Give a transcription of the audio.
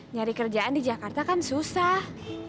nyari kerjaan di jakarta kan susah